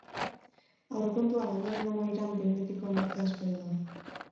Aurrekontua abenduaren amaieran behin betiko onartzea espero da.